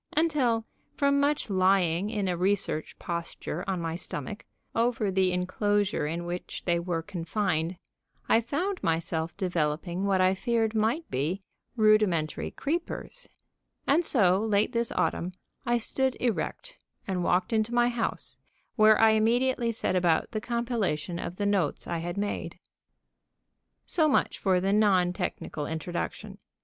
until, from much lying in a research posture on my stomach, over the inclosure in which they were confined, I found myself developing what I feared might be rudimentary creepers. And so, late this autumn, I stood erect and walked into my house, where I immediately set about the compilation of the notes I had made. So much for the non technical introduction.